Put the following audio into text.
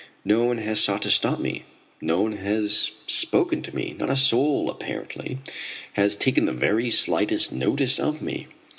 No one has sought to stop me, no one has spoken to me, not a soul apparently has taken the very slightest notice of me.